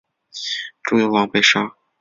朱由榔被杀。